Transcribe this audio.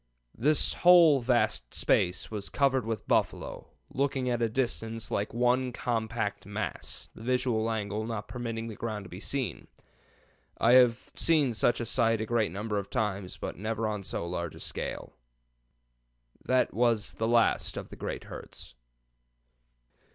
This whole vast space was covered with buffalo, looking at a distance like one compact mass, the visual angle not permitting the ground to be seen. I have seen such a sight a great number of times, but never on so large a scale. "That was the last of the great herds."